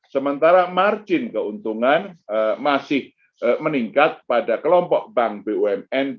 sementara margin keuntungan masih meningkat pada kelompok bank bumn dan kelompok bank bumn